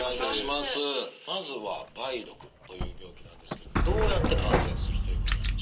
まずは「梅毒」という病気なんですけれどもどうやって感染するということなんでしょうか？